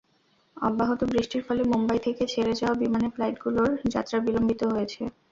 অব্যাহত বৃষ্টির ফলে মুম্বাই থেকে ছেড়ে যাওয়া বিমানের ফ্লাইটগুলোর যাত্রাও বিলম্বিত হয়েছে।